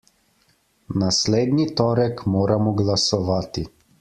Naslednji torek moramo glasovati.